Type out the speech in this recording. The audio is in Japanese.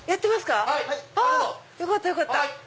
よかったよかった！